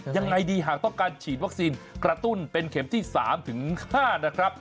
ยังไงดีหากต้องการฉีดวัคซีนกระตุ้นเป็นเข็มที่๓ถึง๕นะครับ